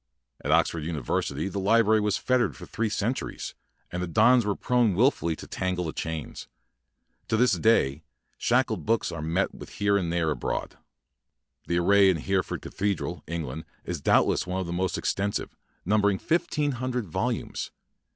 At Oxford University the li brary was fettered for three cen turies, and the dons were prone wil fully to tangle tiie chains. To this iay shackled books are met with here and there abroad. The array in Hereford Cathedra], England, is doubtless the most extensive, numbering fifteen hun dred volumes.